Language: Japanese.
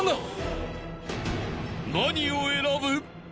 ［何を選ぶ？］